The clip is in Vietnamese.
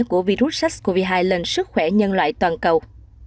của virus sars cov hai lên sức khỏe nhân loại toàn cầu